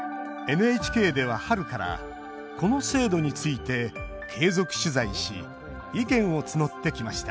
ＮＨＫでは春からこの制度について継続取材し意見を募ってきました。